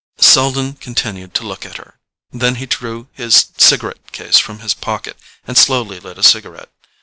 Selden continued to look at her; then he drew his cigarette case from his pocket and slowly lit a cigarette.